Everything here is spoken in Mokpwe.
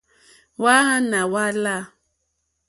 Hwáǎnà hwá láǃá.